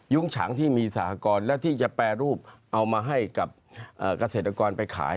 ฉางที่มีสหกรณ์แล้วที่จะแปรรูปเอามาให้กับเกษตรกรไปขาย